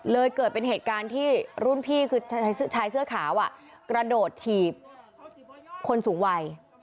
เกิดเป็นเหตุการณ์ที่รุ่นพี่คือชายเสื้อขาวกระโดดถีบคนสูงวัย